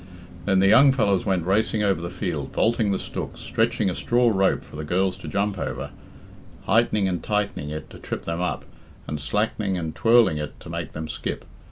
Then the young fellows went racing over the field, vaulting the stooks, stretching a straw rope for the girls to jump over, heightening and tightening it to trip them up, and slacking and twirling it to make them skip.